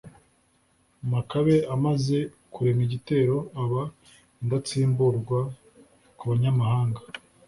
makabe amaze kurema igitero, aba indatsimburwa ku banyamahanga